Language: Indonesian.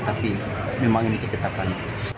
tapi memang ini keketapan